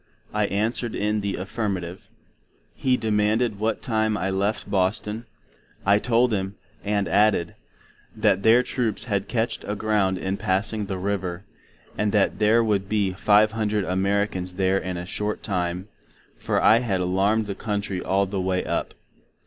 I answered in the afirmative. He demanded what time I left Boston? I told him; and aded, that their troops had catched aground in passing the River, and that There would be five hundred Americans there in a short time, for I had alarmed the Country all the way up.